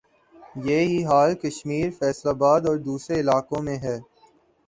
یہ ہی حال کشمیر، فیصل آباد اور دوسرے علاقوں میں ھے